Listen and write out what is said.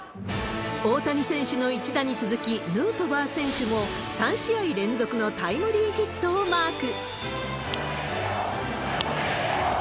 大谷選手の一打に続き、ヌートバー選手も３試合連続のタイムリーヒットをマーク。